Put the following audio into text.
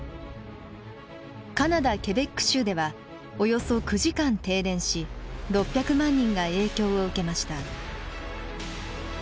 カナダケベック州ではおよそ９時間停電し６００万人が影響を受けました。